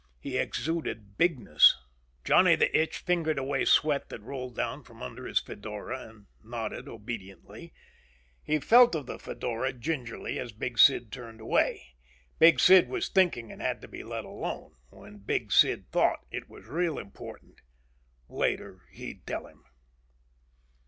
He exuded bigness. Johnny the Itch fingered away sweat that rolled down from under his fedora and nodded obediently. He felt of the fedora gingerly as Big Sid turned away. Big Sid was thinking and had to be let alone. When Big Sid thought, it was real important. Later, he'd tell him.